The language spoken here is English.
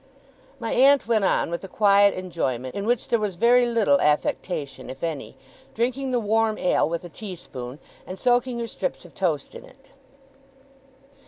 My aunt went on with a quiet enjoyment, in which there was very little affectation, if any; drinking the warm ale with a tea spoon, and soaking her strips of toast in it.